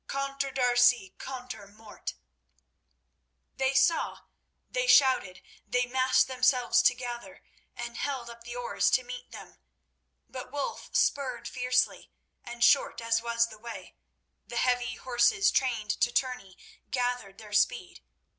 Contre D'Arcy, contre Mort!_" They saw, they shouted, they massed themselves together and held up the oars to meet them. But Wulf spurred fiercely, and, short as was the way, the heavy horses, trained to tourney, gathered their speed.